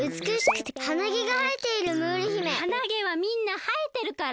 鼻毛はみんなはえてるから！